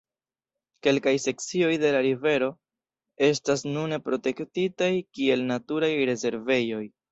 Kelkaj sekcioj de la rivero estas nune protektitaj kiel naturaj rezervejoj.